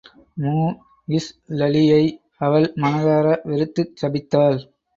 மூஇஸ்ளலியை அவள் மனதார வெறுத்துச் சபித்தாள்.